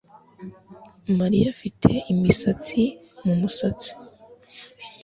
Mariya afite imisatsi mu musatsi